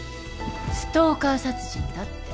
ストーカー殺人だって。